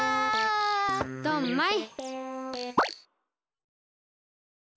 ドンマイ！